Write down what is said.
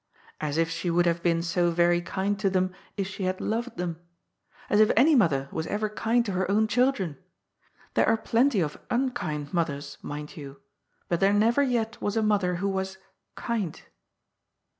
As if she would have been so very kind to them if she had loved them ! As if any mother was ever kind to her own chil dren ! There are plenty of unkind mothers, mind you ; but there never yet was a mother who was " kind."